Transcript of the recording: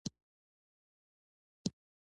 ټپي ته باید د خوږو خبرو تاثیر ورکړو.